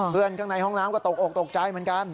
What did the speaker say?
ข้างในห้องน้ำก็ตกออกตกใจเหมือนกัน